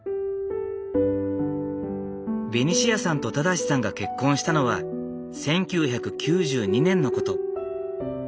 ベニシアさんと正さんが結婚したのは１９９２年のこと。